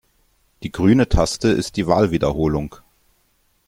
Die grüne Taste ist die Wahlwiederholung.